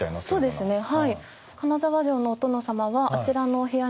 そうですね。